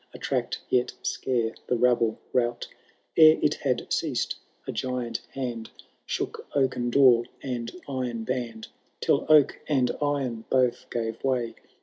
Attract yet scare the rabble rout. Ere it had ceased, a giant hand Shook oaken door and iron band. Till oak and iron both gave way.